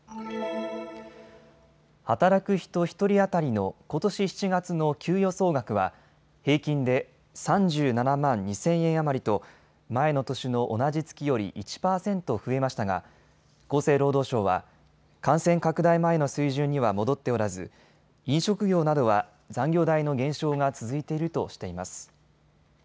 働く人１人当たりのことし７月の給与総額は平均で３７万２０００円余りと前の年の同じ月より１％増えましたが厚生労働省は感染拡大前の水準には戻っておらず飲食業などは残業代の減少が続いているとしています。